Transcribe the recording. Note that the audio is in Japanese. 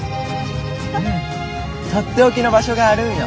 うんとっておきの場所があるんよ。